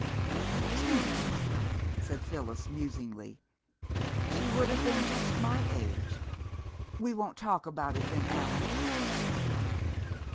"Eighteen," said Phyllis musingly. "She would have been just my age.... We won't talk about it, then, Allan